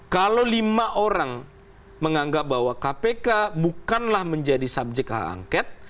kalau lima orang menganggap bahwa kpk bukanlah menjadi subjek hak angket